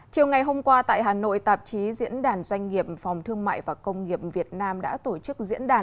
chiều ngày hôm qua tại hà nội tạp chí diễn đàn doanh nghiệp phòng thương mại và công nghiệp việt nam đã tổ chức diễn đàn